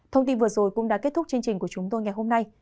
thông tin vừa rồi cũng đã kết thúc chương trình của chúng tôi ngày hôm nay